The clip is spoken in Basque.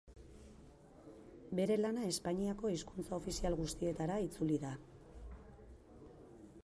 Bere lana Espainiako hizkuntza ofizial guztietara itzuli da.